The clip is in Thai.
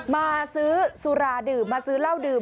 มาซื้อสุราดื่มมาซื้อเหล้าดื่ม